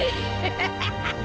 ハハハハ！